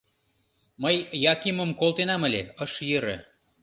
— Мый Якимым колтенам ыле, ыш йӧрӧ.